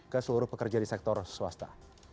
ke seluruh pekerja di sektor swasta